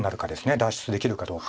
脱出できるかどうか。